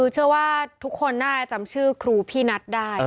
เชื่อว่าทุกคนน่าจะจำชื่อครูพี่นัทได้